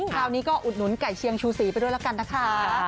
คราวนี้ก็อุดหนุนไก่เชียงชูสีไปด้วยแล้วกันนะคะ